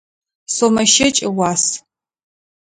Сомэ щэкӏ ыуас.